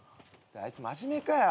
あいつ真面目かよ。